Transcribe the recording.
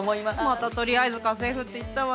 また「とりあえず家政夫」って言ったわね。